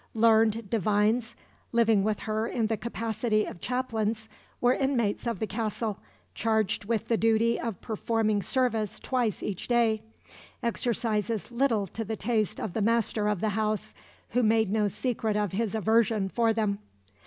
Learned divines, living with her in the capacity of chaplains, were inmates of the castle, charged with the duty of performing service twice each day exercises little to the taste of the master of the house, who made no secret of his aversion for them.